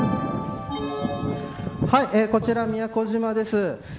こちら、宮古島です。